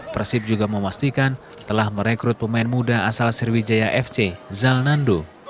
persib juga memastikan telah merekrut pemain muda asal sriwijaya fc zalnando